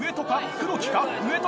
黒木か？